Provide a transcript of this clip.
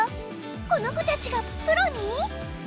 この子たちがプロに？